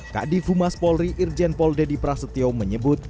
kak divumas polri irjen poldedi prasetyo menyebut